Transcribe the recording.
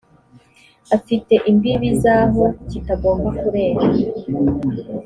afite imbibi z’aho kitagomba kurenga